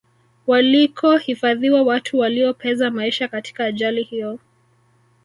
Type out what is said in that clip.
walikohifadhiwa watu waliopeza maisha katika ajali hiyo